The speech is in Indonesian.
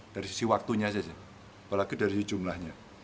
dari sisi waktunya saja apalagi dari jumlahnya